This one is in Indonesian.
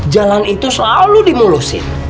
jalan itu selalu dimulusin